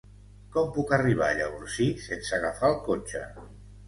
Com puc arribar a Llavorsí sense agafar el cotxe?